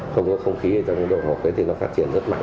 không có không khí trong cái đồ hộp thì nó phát triển rất mạnh